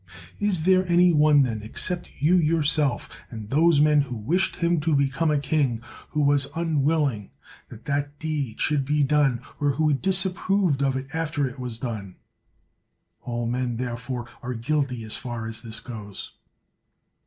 Is there any one then, except you yourself and those men who wished him to become a king, who was unwilling that that deed should be done, or who disapproved of it after it was done? All men, therefore, are guilty as far as this goes.